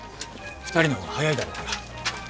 ２人のほうが早いだろうから。